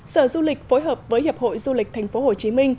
sở du lịch phối hợp với hiệp hội du lịch tp hcm